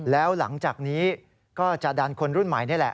แล้วหลังจากนี้ก็จะดันคนรุ่นใหม่นี่แหละ